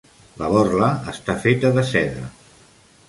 La borla està feta de seda.